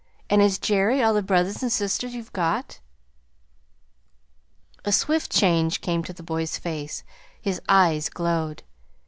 And is Jerry all the brothers and sisters you've got?" A swift change came to the boy's face. His eyes glowed.